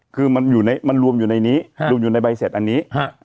คือมันรวมอยู่ในนี้รวมอยู่ในใบเสร็จอันนี้